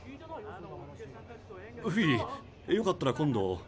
フィーよかったら今度。